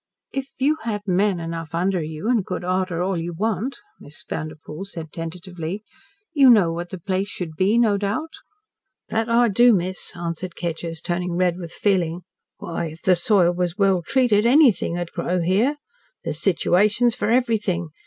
"If you had men enough under you, and could order all you want," Miss Vanderpoel said tentatively, "you know what the place should be, no doubt." "That I do, miss," answered Kedgers, turning red with feeling. "Why, if the soil was well treated, anything would grow here. There's situations for everything.